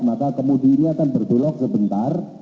maka kemudinya akan berbelok sebentar